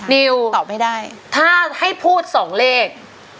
นิวตอบไม่ได้ถ้าให้พูดสองเลข